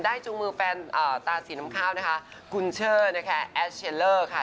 จูงมือแฟนตาสีน้ำข้าวนะคะคุณเชอร์นะคะแอสเชลเลอร์ค่ะ